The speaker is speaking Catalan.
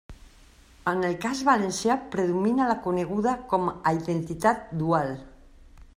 En el cas valencià predomina la coneguda com a «identitat dual».